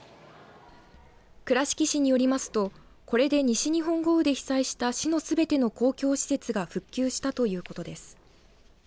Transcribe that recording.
倉敷市によりますとこれで西日本豪雨で被災した市のすべての公共施設が復旧したということです。